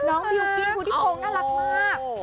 น้องบิวกิงฟูวิสัมมพิพลงฯน่ารักมาก